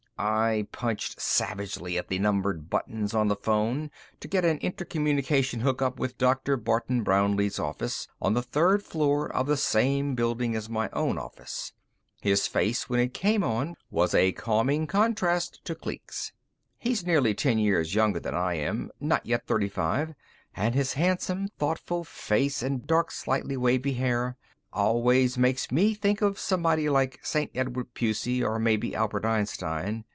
I punched savagely at the numbered buttons on the phone to get an intercommunication hookup with Dr. Barton Brownlee's office, on the third floor of the same building as my own office. His face, when it came on, was a calming contrast to Kleek's. He's nearly ten years younger than I am, not yet thirty five, and his handsome, thoughtful face and dark, slightly wavy hair always make me think of somebody like St. Edward Pusey or maybe Albert Einstein.